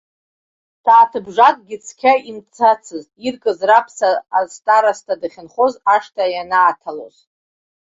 Сааҭыбжакгьы цқьа имцацызт, иркыз раԥца, астароста дахьынхоз ашҭа ианааҭалоз.